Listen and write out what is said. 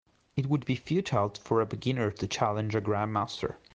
It would be futile for a beginner to challenge a grandmaster.